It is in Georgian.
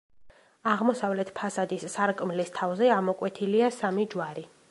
აღმოსავლეთ ფასადის სარკმლის თავზე ამოკვეთილია სამი ჯვარი.